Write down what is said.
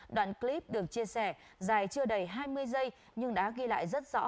đoạn clip được chia sẻ dài chưa đầy hai mươi giây nhưng đã ghi lại rất rõ